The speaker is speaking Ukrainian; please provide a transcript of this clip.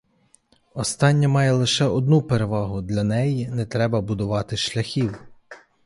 Остання має лише одну перевагу: для неї не треба будувати шляхів.